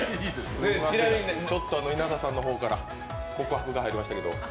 ちょっと稲田さんの方から告白が入りましたけど。